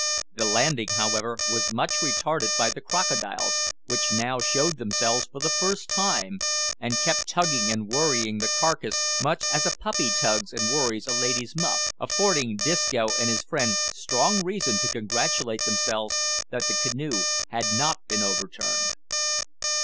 The landing, however, was much retarded by the crocodiles, which now showed themselves for the first time, and kept tugging and worrying the carcase much as a puppy tugs and worries a ladies' muff; affording Disco and his friend strong reason to congratulate themselves that the canoe had not been overturned.